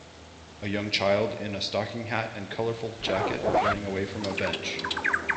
A young child in a stocking hat and colorful jacket running away from a bench.